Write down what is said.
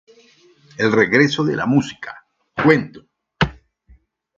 El regreso de la música, Cuento.